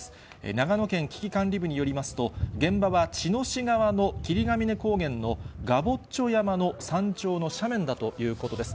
長野県危機管理部によりますと、現場は茅野市側の霧ヶ峰高原のガボッチョ山の山頂の斜面だということです。